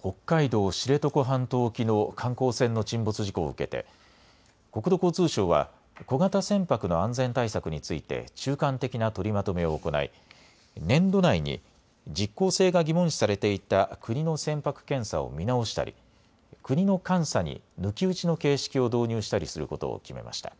北海道・知床半島沖の観光船の沈没事故を受けて国土交通省は小型船舶の安全対策について、中間的な取りまとめを行い、年度内に実効性が疑問視されていた国の船舶検査を見直したり国の監査に抜き打ちの形式を導入したりすることを決めました。